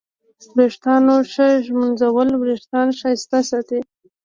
د ویښتانو ښه ږمنځول وېښتان ښایسته ساتي.